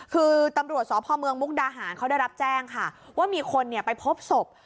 คือตำรวจสพเมืองมุกดาหารเขาได้รับแจ้งค่ะว่ามีคนไปพบศพ